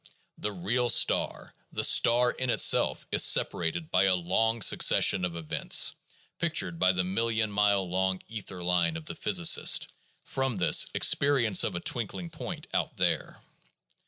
The real star, the star in itself, is separated by a long succession of events (pictured by the million mile long ether line of the physicist) from this experience of a twinkling point out there.